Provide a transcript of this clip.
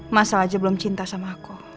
masal aja belum cinta sama aku